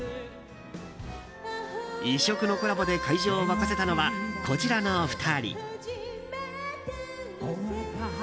異色のコラボで会場を沸かせたのはこちらの２人。